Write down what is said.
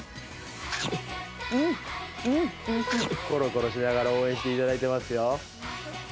コロコロしながら応援して頂いてますよ。